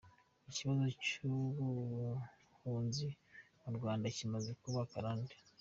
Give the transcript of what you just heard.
Ikibazo cy’ubuhunzi mu Rwanda kimaze kuba akarande.